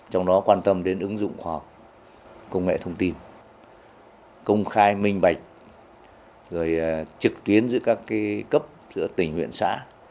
trong đó quan tâm đến ứng dụng khoa học công nghệ thông tin công khai minh bạch trực tuyến giữa các cấp giữa tỉnh huyện xã